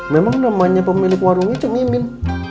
memang namanya pemilik warungnya cok mimim